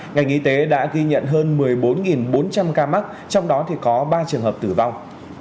ngành y tế đã ghi nhận hơn một mươi bốn bốn trăm linh ca mắc trong đó có ba trường hợp tử vong